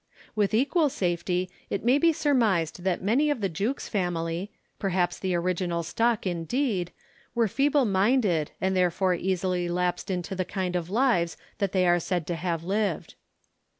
With equal safety it may be surmised that many of the Jukes family (perhaps the original stock, indeed) were feeble minded and therefore easily lapsed into the kind of lives that they are said to have lived.